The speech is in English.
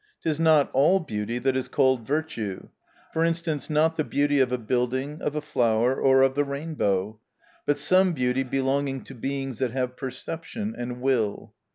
— It is not all beauty, that is called virtue ; for instance, not the beauty of a building, of a flower, or of the rainbow : but some beauty belong ing to Beings that have perception and will.